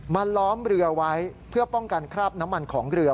ล้อมเรือไว้เพื่อป้องกันคราบน้ำมันของเรือ